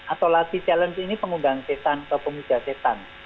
atau latih challenge ini pengundang setan ke pemuda setan